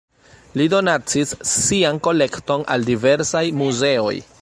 Li donacis sian kolekton al diversaj muzeoj.